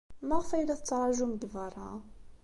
Maɣef ay la tettṛajumt deg beṛṛa?